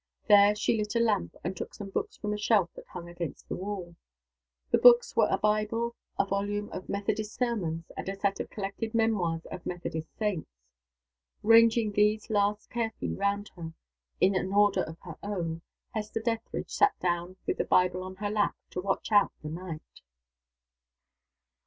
There she lit a lamp, and took some books from a shelf that hung against the wall. The books were the Bible, a volume of Methodist sermons, and a set of collected Memoirs of Methodist saints. Ranging these last carefully round her, in an order of her own, Hester Dethridge sat down with the Bible on her lap to watch out the night.